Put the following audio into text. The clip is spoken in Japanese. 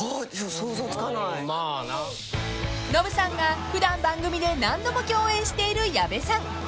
［ノブさんが普段番組で何度も共演している矢部さん］